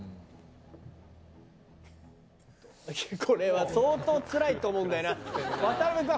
これは相当つらいと思うんだよな。